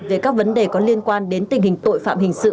về các vấn đề có liên quan đến tình hình tội phạm hình sự